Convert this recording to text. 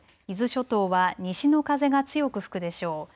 伊豆諸島は西の風が強く吹くでしょう。